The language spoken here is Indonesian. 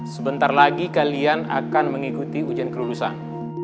sebentar lagi kalian akan mengikuti ujian kelulusan